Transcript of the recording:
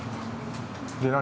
で何？